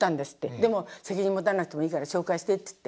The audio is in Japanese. でも「責任持たなくてもいいから紹介して」っつって。